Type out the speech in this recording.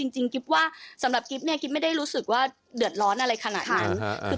จริงกิ๊บว่าสำหรับกิ๊บเนี่ยกิ๊บไม่ได้รู้สึกว่าเดือดร้อนอะไรขนาดนั้น